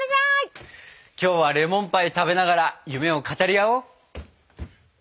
今日はレモンパイ食べながら夢を語り合おう。